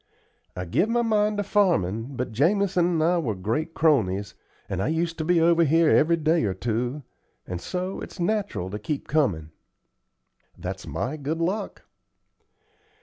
I give my mind to farmin'; but Jamison and I were great cronies, and I used to be over here every day or two, and so it's natural to keep comin'." "That's my good luck."